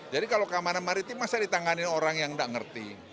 jadi kalau keamanan kemaritiman saya ditangani orang yang tidak mengerti